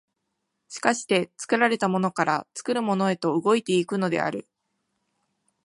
而して作られたものから作るものへと動いて行くのである。